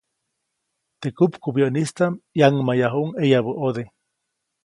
Teʼ kupkubyäʼnistaʼm ʼyaŋmayjayuʼuŋ ʼeyabä ʼode.